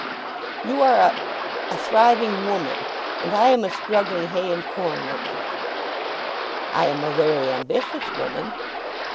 "You are a—a thriving woman; and I am a struggling hay and corn merchant." "I am a very ambitious woman."